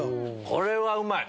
これはうまい！